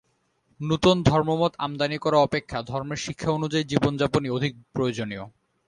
নূতন ধর্মমত আমদানী করা অপেক্ষা ধর্মের শিক্ষা অনুযায়ী জীবনযাপনই অধিক প্রয়োজনীয়।